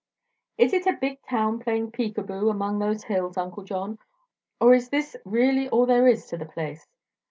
"Is it a big town playing peek a boo among those hills, Uncle John, or is this really all there is to the place?"